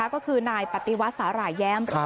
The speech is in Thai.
ก็คือนายปฏิวัติสหราเอยม